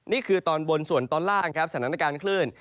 นี่คือตอนบนส่วนตอนล่างครับสถานการณ์คลื่น